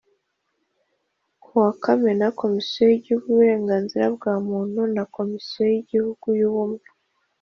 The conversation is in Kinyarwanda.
Ku wa Kamena Komisiyo y Igihugu y Uburenganzira bwa Muntu na Komisiyo y Igihugu y Ubumwe